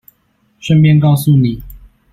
順便告訴你